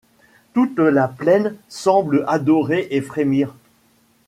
Toute la plaine semble adorer et frémir.